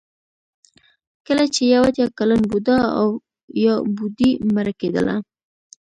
کله چې یو اتیا کلن بوډا او یا بوډۍ مړه کېدله.